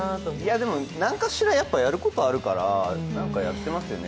でも何かしらやることあるから、何かやってますよね。